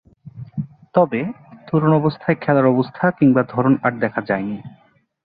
তবে, তরুণ অবস্থায় খেলার অবস্থা কিংবা ধরন আর দেখা যায়নি।